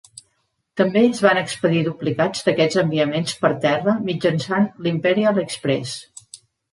També es van expedir duplicats d'aquests enviaments per terra mitjançant l'imperial express.